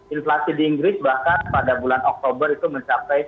inflasi di inggris bahkan pada bulan oktober itu mencapai